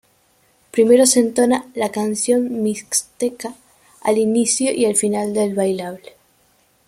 Primero se entona la "Canción mixteca" al inicio y al final del bailable.